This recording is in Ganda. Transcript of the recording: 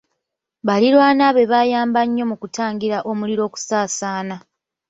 Baliraanwa be baayamba nnyo mu kutangira omuliro okusaasaana.